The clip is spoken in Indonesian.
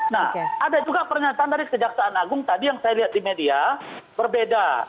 nah ada juga pernyataan dari kejaksaan agung tadi yang saya lihat di media berbeda